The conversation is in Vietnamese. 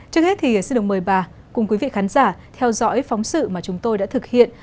trước hết thì xin được mời bà cùng quý vị khán giả theo dõi phóng sự mà chúng tôi đã thực hiện